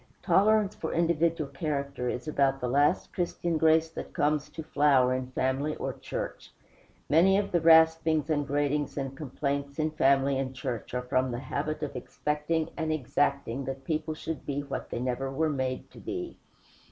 Tolerance for individual character is about the last Christian grace that comes to flower in family or church. Much of the raspings, and gratings, and complaints in family and church are from the habit of expecting and exacting that people should be what they never were made to be.